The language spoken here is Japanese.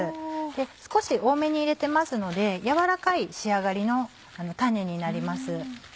少し多めに入れてますので軟らかい仕上がりのたねになります。